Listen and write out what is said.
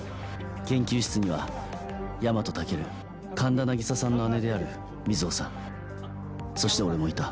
研究室には大和猛流神田凪沙さんの姉である水帆さんそして俺もいた。